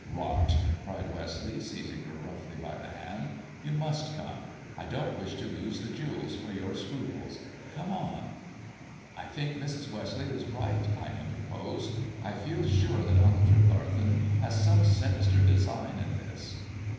"Rot!" cried Westleigh, seizing her roughly by the hand. " You must come. I don't wish to lose the jewels for your scruples. Come on !"" I think Mrs. Westleigh is right," I interposed. " I fedi sure that Uncle Tregarthen has some sinister design in this."